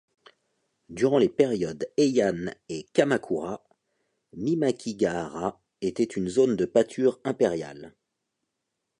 Durant les périodes Heian et Kamakura, Mimakigahara était une zone de pâture impériale.